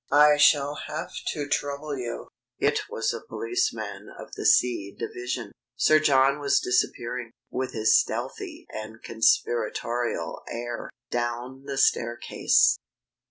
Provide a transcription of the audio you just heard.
I shall have to trouble you " It was a policeman of the C division. Sir John was disappearing, with his stealthy and conspiratorial air, down the staircase.